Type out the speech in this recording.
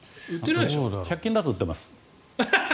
１００均だと売ってます。